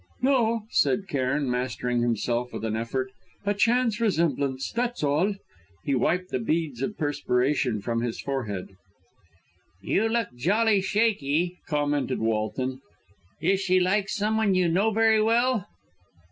"No," said Cairn, mastering himself with an effort "a chance resemblance, that's all." He wiped the beads of perspiration from his forehead. "You look jolly shaky," commented Walton. "Is she like someone you know very well?"